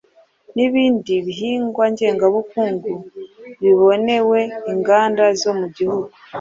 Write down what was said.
N’ibindi bihingwa ngengabukungu bibonewe inganda zo mu gihugu